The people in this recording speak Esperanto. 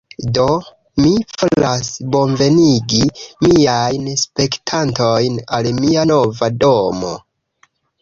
Do, mi volas bonvenigi miajn spektantojn al mia nova domo